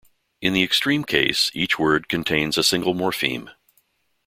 In the extreme case, each word contains a single morpheme.